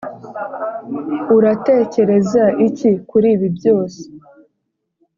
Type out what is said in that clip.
uratekereza iki kuri ibi byose?